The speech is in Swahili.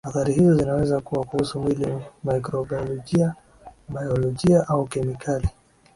Athari hizo zinaweza kuwa kuhusu mwili mikrobiolojia baiolojia au kemikali